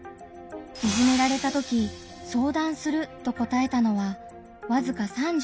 いじめられたとき「相談する」と答えたのはわずか３６．６％。